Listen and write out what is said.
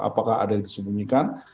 apakah ada yang disembunyikan